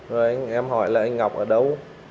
rồi em hỏi là anh ngọc ở đâu